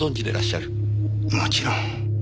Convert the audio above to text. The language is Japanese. もちろん。